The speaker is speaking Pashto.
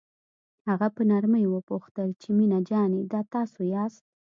هغه په نرمۍ وپوښتل چې مينه جانې دا تاسو یاست.